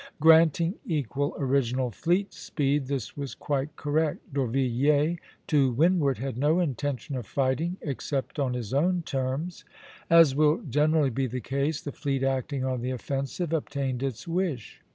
Granting equal original fleet speed, this was quite correct. D'Orvilliers, to windward, had no intention of fighting except on his own terms. As will generally be the case, the fleet acting on the offensive obtained its wish.